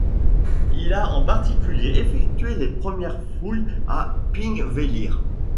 Il a en particulier effectué les premières fouilles à Þingvellir.